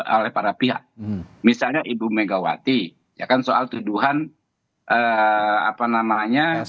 oleh para pihak misalnya ibu megawati ya kan soal tuduhan apa namanya